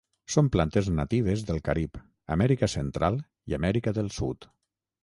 Són plantes natives del Carib, Amèrica Central i Amèrica del Sud.